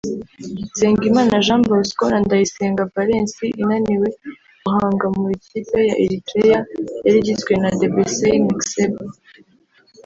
Nsengimana Jean Bosco na Ndayisenga Valens inaniwe guhangamura ikipe ya Eritrea yari igizwe na Debesay Mekseb